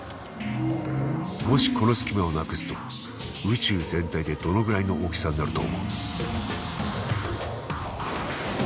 もしこの隙間をなくすと宇宙全体でどのぐらいの大きさになると思う？